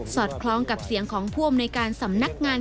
อดคล้องกับเสียงของผู้อำนวยการสำนักงาน